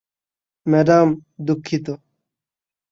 Madam, দুঃখিত।